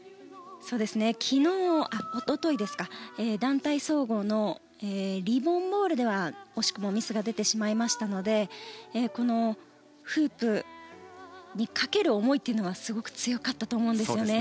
おととい団体総合のリボン・ボールでは惜しくもミスが出てしまいましたのでこのフープにかける思いというのはすごく強かったと思うんですよね。